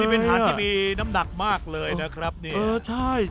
นี่เป็นหานที่มีน้ำดักมากเลยนะครับนะบุ๋ย